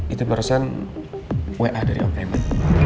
itu barusan wa dari om reman